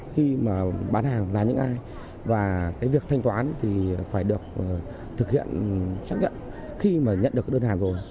khi mà bán hàng là những ai và cái việc thanh toán thì phải được thực hiện xác nhận khi mà nhận được cái đơn hàng rồi